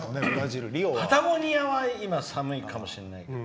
パタゴニアは今は寒いかもしれないけど。